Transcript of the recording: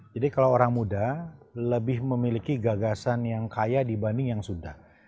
jadi kalau orang muda lebih memiliki gagasan yang kaya dibanding yang sudah